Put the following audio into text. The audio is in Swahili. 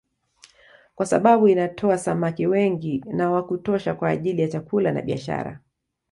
Kwa sababu inatoa samaki wengi na wa kutosha kwa ajili ya chakula na biashara